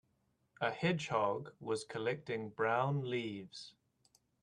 A hedgehog was collecting brown leaves.